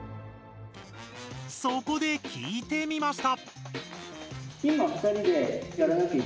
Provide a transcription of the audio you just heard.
そこで聞いてみました！